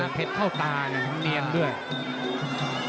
มันต้องอย่างงี้มันต้องอย่างงี้